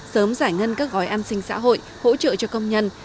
sớm giải ngân các gói an sinh xã hội hỗ trợ cho công nhân